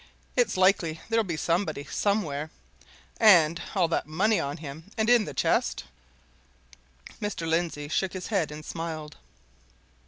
It's likely there'll be somebody, somewhere. And all that money on him and in his chest?" Mr. Lindsey shook his head and smiled.